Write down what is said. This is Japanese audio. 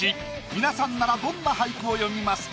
皆さんならどんな俳句を詠みますか？